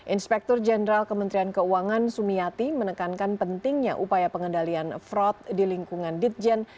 inspektur jenderal kementerian keuangan sumiati menekankan pentingnya upaya pengendalian fraud di lingkungan ditjen